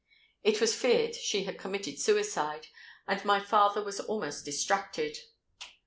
It was feared she had committed suicide; and my father was almost distracted.